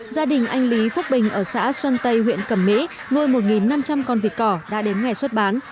gia đình anh lý phúc bình ở xã xuân tây huyện cẩm mỹ nuôi một năm trăm linh con vịt cỏ đã đến ngày xuất bán